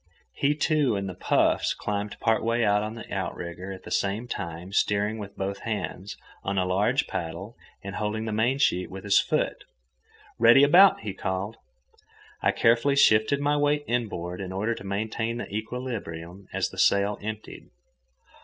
He, too, in the puffs, climbed part way out on the outrigger, at the same time steering with both hands on a large paddle and holding the mainsheet with his foot. "Ready about!" he called. I carefully shifted my weight inboard in order to maintain the equilibrium as the sail emptied.